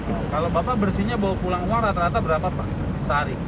kalau bapak bersihnya bawa pulang uang rata rata berapa pak sehari